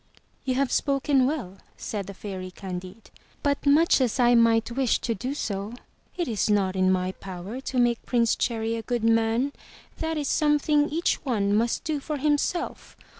"You have spoken well," said the Fairy Candide, "but, much as I might wish to do so, it is not in my power to make Prince Cherry a good man. That is something each one must do for himself.